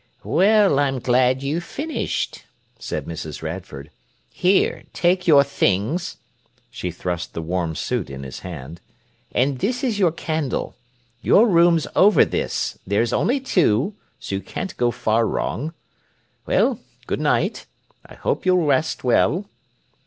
"Well, I'm glad you've finished," said Mrs. Radford. "Here, take your things"—she thrust the warm suit in his hand—"and this is your candle. Your room's over this; there's only two, so you can't go far wrong. Well, good night. I hope you'll rest well."